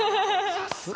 さすが。